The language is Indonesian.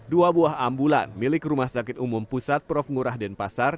dua buah ambulan milik rumah sakit umum pusat prof ngurah denpasar